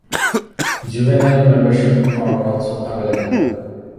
Juvenile memberships are also available.